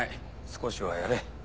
少しはやれ。